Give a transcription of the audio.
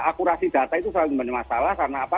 akurasi data itu selalu menjadi masalah karena apa